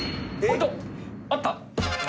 あった！